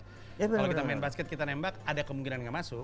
kalau kita main basket kita nembak ada kemungkinan nggak masuk